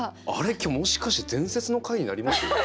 今日もしかして伝説の回になります？